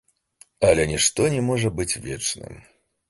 Але нішто не можа быць вечным.